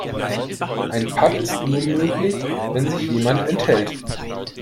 Ein Patt ist nur möglich, wenn sich jemand enthält.